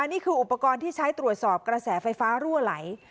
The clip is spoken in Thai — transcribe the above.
นี่คืออุปกรณ์ที่ใช้ตรวจสอบกระแสไฟฟ้ารั่วไหล